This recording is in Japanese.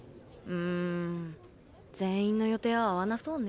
全員の予定は合わなそうね。